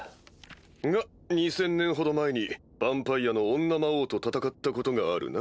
２０００年ほど前にヴァンパイアの女魔王と戦ったことがあるな。